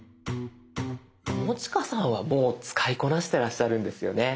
友近さんはもう使いこなしてらっしゃるんですよね？